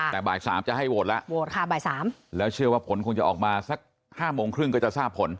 แต่บ่าย๓จะให้โหวตแล้วแล้วเชื่อว่าผลคงจะออกมาสัก๕โมงครึ่งก็จะทราบผล